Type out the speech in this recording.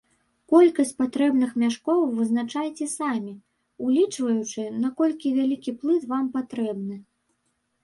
Колькасць патрэбных мяшкоў вызначайце самі, улічваючы, наколькі вялікі плыт вам патрэбны.